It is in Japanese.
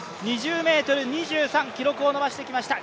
２０ｍ２３、記録を伸ばしてきました。